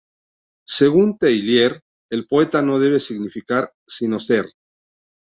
Según Teillier, el poeta no debe significar sino ser.